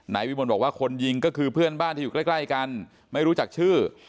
นายวิมลบอกว่าคนยิงก็คือเพื่อนบ้านที่อยู่ใกล้กันไม่รู้จักชื่อ